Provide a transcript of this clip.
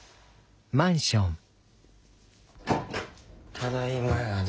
ただいまやで。